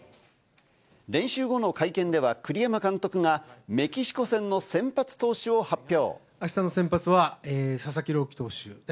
練習後の会見では栗山監督がメキシコ戦の先発投手を発表。